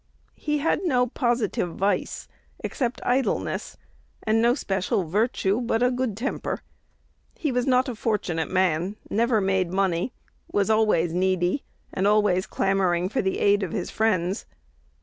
He had no positive vice, except idleness, and no special virtue but good temper. He was not a fortunate man; never made money; was always needy, and always clamoring for the aid of his friends.